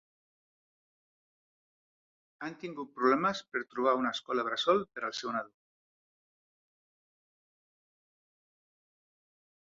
Han tingut problemes per trobar una escola bressol per al seu nadó.